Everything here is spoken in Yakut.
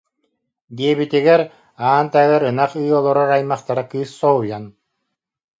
диэбитигэр, аан таһыгар ынах ыы олорор аймахтара кыыс соһуйан: